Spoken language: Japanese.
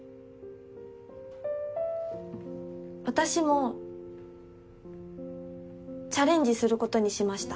私もチャレンジすることにしました。